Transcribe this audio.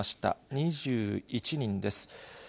２１人です。